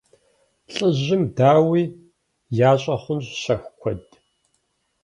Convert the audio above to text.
Лӏыжьым, дауи, ящӀэ хъунщ щэху куэд!